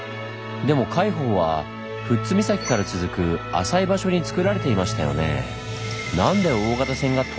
でも海堡は富津岬から続く浅い場所につくられていましたよね。